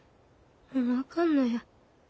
もうあかんのや。